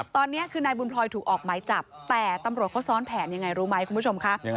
ตอนนี้คือนายบุญพลอยถูกออกหมายจับแต่ตำรวจเขาซ้อนแผนยังไงรู้ไหมคุณผู้ชมค่ะ